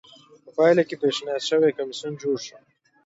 په پایله کې پېشنهاد شوی کمېسیون جوړ شو